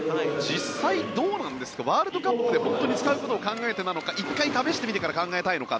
実際、どうなんですかワールドカップで本当に使うことを考えてなのか１回試してみてから考えたいのか。